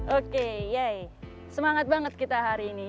oke yei semangat banget kita hari ini